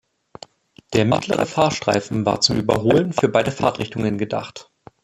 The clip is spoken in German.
Der mittlere Fahrstreifen war zum Überholen für beide Fahrtrichtungen gedacht.